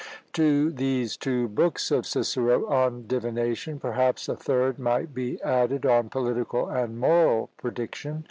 To these two books of Cicero on "Divination," perhaps a third might be added, on POLITICAL and MORAL PREDICTION.